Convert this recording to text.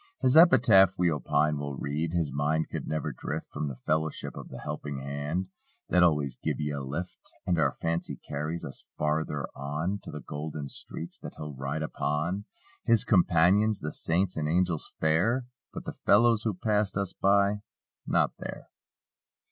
His epitaph, we opine, will read: "His mind could never drift From the fellowship of the helping hand That always 'give ye a lift.' " And our fancy carries us farther on: To the golden streets that he'll ride upon— His companions, the saints and angels fair. But the fellows who passed us by! Not there.